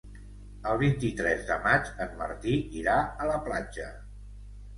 El vint-i-tres de maig en Martí irà a la platja.